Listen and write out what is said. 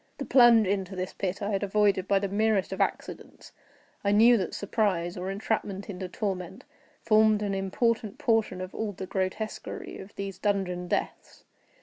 The plunge into this pit I had avoided by the merest of accidents, I knew that surprise, or entrapment into torment, formed an important portion of all the grotesquerie of these dungeon deaths.